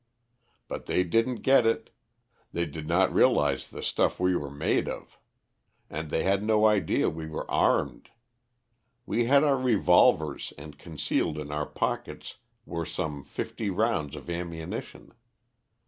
"But they didn't get it. They did not realize the stuff we were made of. And they had no idea we were armed. We had our revolvers and concealed in our pockets were some fifty rounds of ammunition.